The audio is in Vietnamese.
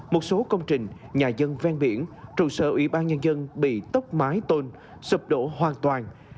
một số công trình nhà dân ven biển trụ sở ủy ban nhân dân bị tốc mái tôn sập đổ hoàn toàn